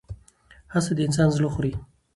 حسد د انسان زړه خوري.